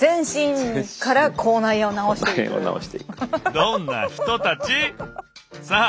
どんな人たち⁉さあ